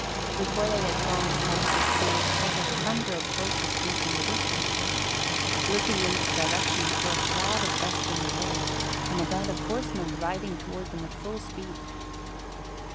Before they had gone Samson's ears caught a thunder of horses' feet in the distance. Looking in its direction he saw a cloud of dust in the road and a band of horsemen riding toward them at full speed.